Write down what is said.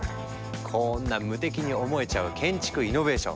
こんな無敵に思えちゃう建築イノベーション。